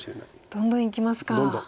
どんどんいきますか。